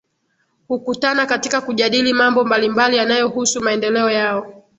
Hukutana katika kujadili mambo mbali mbali yanayohusu maendeleo yao